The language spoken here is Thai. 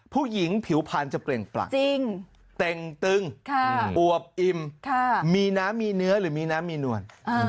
ผิวพันธุ์จะเปล่งปลักจริงเต็งตึงอวบอิ่มมีน้ำมีเนื้อหรือมีน้ำมีนวล